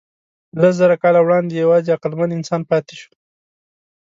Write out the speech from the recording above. لسزره کاله وړاندې یواځې عقلمن انسان پاتې شو.